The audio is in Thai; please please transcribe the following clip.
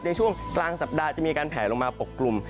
ในช่วงกลางสัปดาห์จะมีการแผลลงมาปกกลุ่ม